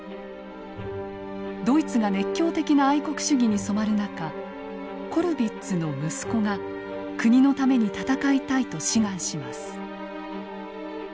ドイツが熱狂的な愛国主義に染まる中コルヴィッツの息子が国のために戦いたいと志願します。